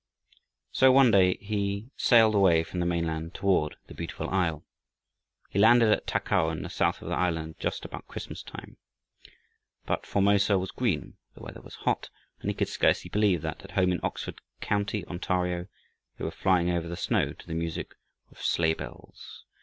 So, one day, he sailed away from the mainland toward the Beautiful Isle. He landed at Takow in the south of the island, just about Christmas time. But Formosa was green, the weather was hot, and he could scarcely believe that, at home in Oxford county, Ontario, they were flying over the snow to the music of sleigh bells.